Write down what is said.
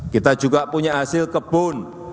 kita juga punya hasil kebun